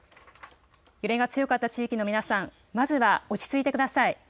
揺れが強かった地域の皆さん、まずは落ち着いてください。